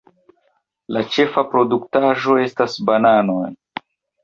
La ĉefa produktaĵo estas bananoj.